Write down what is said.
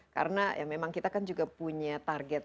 karena memang kita kan juga punya target